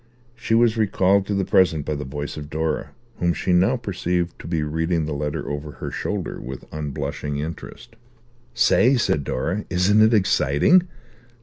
She was recalled to the present by the voice of Dora, whom she now perceived to be reading the letter over her shoulder with unblushing interest. "Say," said Dora, "isn't it exciting?